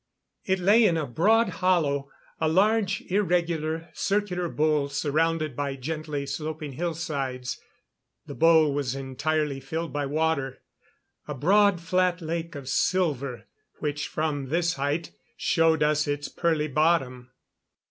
It lay in a broad hollow, a large, irregular circular bowl surrounded by gently sloping hillsides. The bowl was entirely filled by water a broad flat lake of silver which from this height showed us its pearly bottom.